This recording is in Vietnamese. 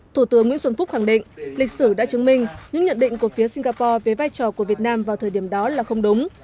thủ tướng nguyễn xuân phúc khẳng định lịch sử đã chứng minh những nhận định của phía singapore về vai trò của việt nam vào thời điểm đó là không đúng